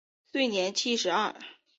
卒年七十二。